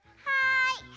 はい。